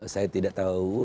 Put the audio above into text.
saya tidak tahu